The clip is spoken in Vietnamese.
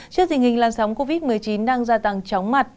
trước dình hình lan sóng covid một mươi chín đang gia tăng chóng mặt